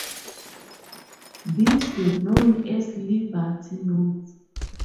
These were known as "Liberty" notes.